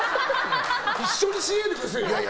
一緒にしないでくださいよ！